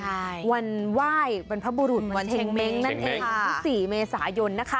ใช่วันว่ายบรรพบุรุษวันเชงเม้งวันเชงเม้งค่ะทุกสี่เมษายนนะคะ